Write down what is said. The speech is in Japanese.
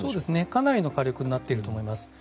かなりの火力になっていると思います。